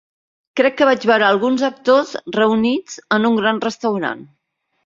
Crec que vaig veure alguns actors reunits en un gran restaurant.